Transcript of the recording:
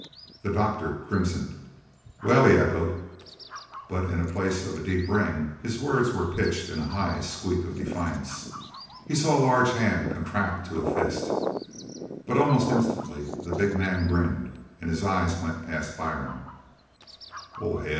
The doctor crimsoned. "Well?" he echoed, but in place of a deep ring his words were pitched in a high squeak of defiance. He saw a large hand contract to a fist, but almost instantly the big man grinned, and his eyes went past Byrne. "Oh, hell!"